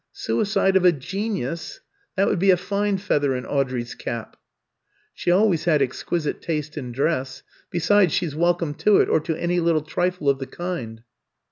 "Suicide of a genius! That would be a fine feather in Audrey's cap." "She always had exquisite taste in dress. Besides, she's welcome to it or to any little trifle of the kind."